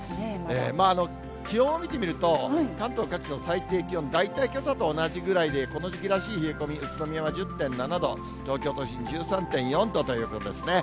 気温を見てみると、関東各地の最低気温、大体けさと同じぐらいでこの時期らしい冷え込み、宇都宮は１０．７度、東京都心１３．４度ということですね。